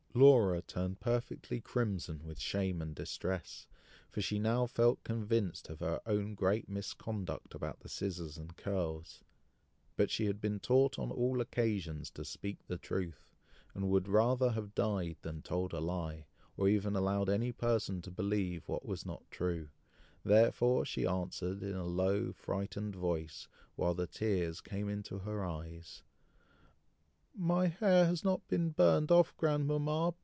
Laura turned perfectly crimson with shame and distress, for she now felt convinced of her own great misconduct about the scissors and curls, but she had been taught on all occasions to speak the truth, and would rather have died than told a lie, or even allowed any person to believe what was not true, therefore she answered in a low, frightened voice, while the tears came into her eyes, "My hair has not been burned off, grandmama!